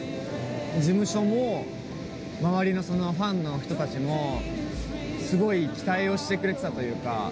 事務所も周りのファンの人たちもすごい期待をしてくれてたというか。